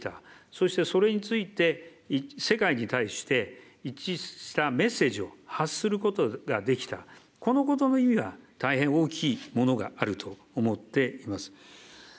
そしてそれについて、世界に対して、一致したメッセージを発することができた、このことの意味は、大変大きいものがあると思っています。